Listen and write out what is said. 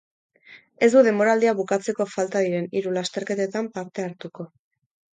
Ez du denboraldia bukatzeko falta diren hiru lasterketetan parte hartuko.